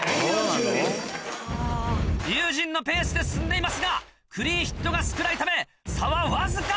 龍心のペースで進んでいますがクリーンヒットが少ないため差はわずか。